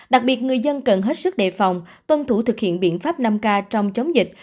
đặc biệt người dân cần hết sức đề phòng tuân thủ thực hiện biện pháp năm k trong chống dịch